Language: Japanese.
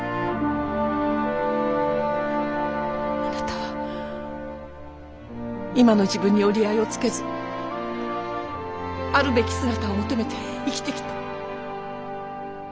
あなたは今の自分に折り合いをつけずあるべき姿を求めて生きてきた。